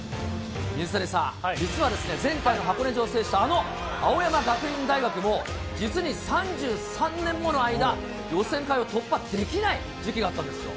水谷さん、実は前回の箱根路を制した青山学院大学も、実に３３年もの間、予選会を突破できない時期があったんですよ。